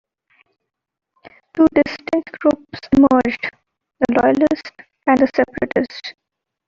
Two distinct groups emerged: the "loyalists" and the "separatists".